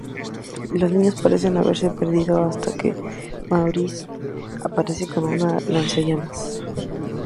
Los niños parecen haberse perdido hasta que Maurice aparece con un lanzallamas.